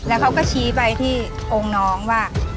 แล้วเขาก็ชี้ไปที่องค์น้องว่า